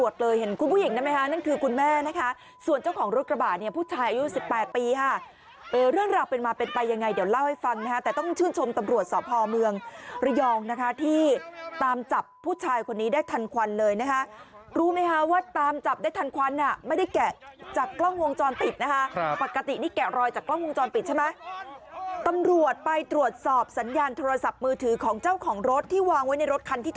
สุดท้ายเจ้าของตามมาเจอรุมประชาธรรมแบบนี้ค่ะ